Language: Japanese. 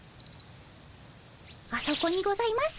あそこにございます。